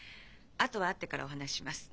あとは会ってからお話しします。